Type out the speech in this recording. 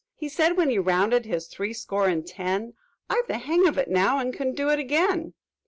"He said, when he rounded his three score and ten, 'I've the hang of it now and can do it again!'